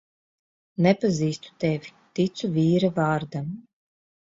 Nepazīstu tevi, ticu vīra vārdam.